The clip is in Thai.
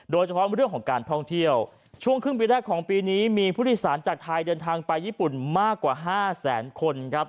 โดยเฉพาะเรื่องของการท่องเที่ยวช่วงครึ่งปีแรกของปีนี้มีผู้โดยสารจากไทยเดินทางไปญี่ปุ่นมากกว่า๕แสนคนครับ